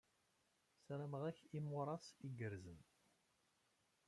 Ssarameɣ-ak imuras igerrzen.